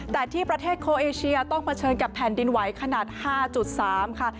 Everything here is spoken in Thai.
แต่ที่ประเทศโคเอเชียต้องเผชิญกับแผ่นดินไหวขนาด๕๓ค่ะ